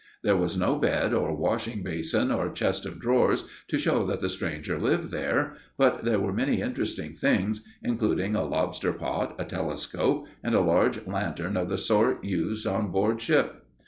There was no bed or washing basin or chest of drawers, to show that the stranger lived here, but there were many interesting things, including a lobster pot, a telescope, and a large lantern of the sort used on board ship.